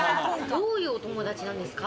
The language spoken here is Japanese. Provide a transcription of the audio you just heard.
どういうお友達なんですか？